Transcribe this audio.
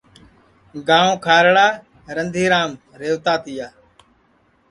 گانٚو کھارڑارندھیرام ریہوتا تِیا